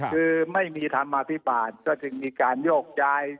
คือไม่มีธรรมอภิบาลก็จึงมีการโยกย้าย